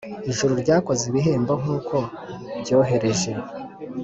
ijuru ryakoze ibihembo nkuko byohereje: